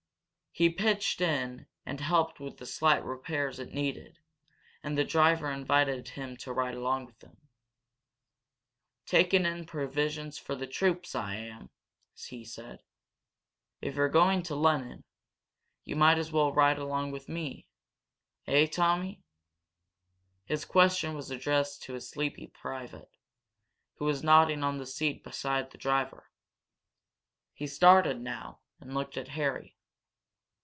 He pitched in and helped with the slight repairs it needed, and the driver invited him to ride along with him. "Taking in provisions for the troops, I am," he said. "If you're going to Lunnon, you might as well ride along with me. Eh, Tommy?" His question was addressed to a sleepy private, who was nodding on the seat beside the driver. He started now, and looked at Harry.